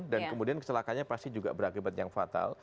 dan kemudian kecelakanya pasti juga berakibat yang fatal